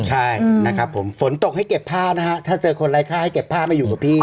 ใช่ฝนตกให้เก็บผ้าถ้าเจอคนรายค่าให้เก็บผ้ามาอยู่กับพี่